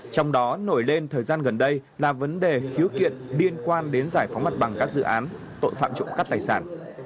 trong đó nổi lên thời gian gần đây là vấn đề khiếu kiện liên quan đến giải phóng mặt bằng các dự án tội phạm trộm cắp tài sản